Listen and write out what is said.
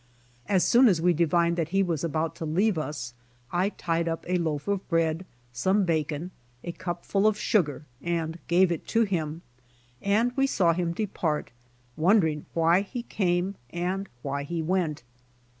As soon as we divined that he was about to leave us, I tied up a loaf of bread, some bacon, a cup full of sugar, and gave it to him. 96 BY ox TEAM TO CALIFORNIA and we saw him depart, wondering why he came and why he went.